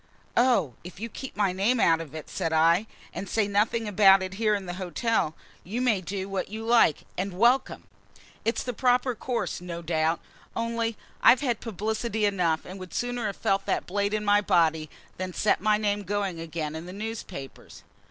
"Oh, if you keep my name out of it," said I, "and say nothing about it here in the hotel, you may do what you like, and welcome! It's the proper course, no doubt; only I've had publicity enough, and would sooner have felt that blade in my body than set my name going again in the newspapers."